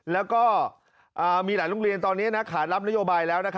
แล้วก็มีหลายโรงเรียนตอนนี้ขารับนโยบายแล้ว